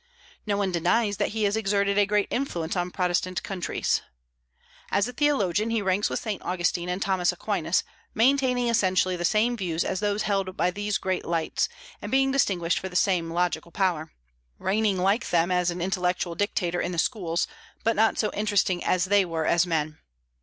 No one denies that he has exerted a great influence on Protestant countries. As a theologian he ranks with Saint Augustine and Thomas Aquinas, maintaining essentially the same views as those held by these great lights, and being distinguished for the same logical power; reigning like them as an intellectual dictator in the schools, but not so interesting as they were as men.